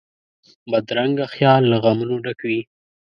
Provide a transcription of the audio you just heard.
بدرنګه خیال له غمونو ډک وي